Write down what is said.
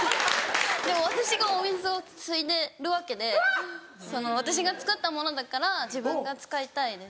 でも私がお水をついでるわけで私が作ったものだから自分が使いたいです。